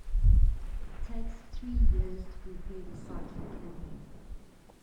It takes three years to prepare the site for camping.